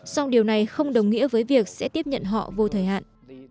song điều này không đồng nghĩa với việc sẽ tiếp nhận họ vô thời hạn